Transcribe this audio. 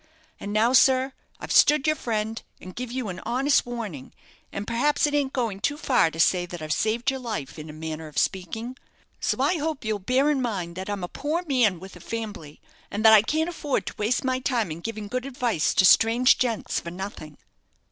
And now, sir, I've stood your friend, and give you a honest warning; and perhaps it ain't going too far to say that I've saved your life, in a manner of speaking. So I hope you'll bear in mind that I'm a poor man with a fambly, and that I can't afford to waste my time in giving good advice to strange gents for nothing."